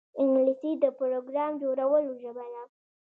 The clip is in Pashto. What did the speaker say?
انګلیسي د پروګرام جوړولو ژبه ده